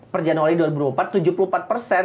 perjanjian awal ini dua ribu empat